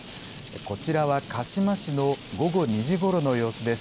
こちらは鹿嶋市の午後２時ごろの様子です。